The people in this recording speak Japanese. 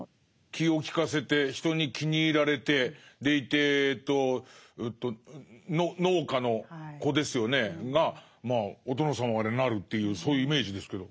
気を利かせて人に気に入られてでいて農家の子ですよねがお殿様までなるというそういうイメージですけど。